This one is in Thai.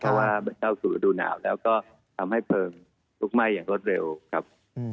เพราะว่าต้องดูนาวแล้วก็ทำให้เบิ้ลลูกไหม้อย่างรวดเร็วครับ